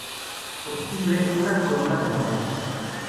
Por timbre, una corona de barón.